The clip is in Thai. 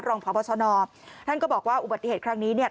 รองพบชนท่านก็บอกว่าอุบัติเหตุครั้งนี้เนี่ย